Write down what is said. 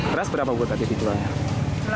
beras berapa buat aja dijualnya